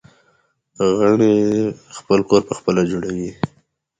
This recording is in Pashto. غڼې خپل کور پخپله جوړوي